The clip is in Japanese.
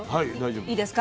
いいですか？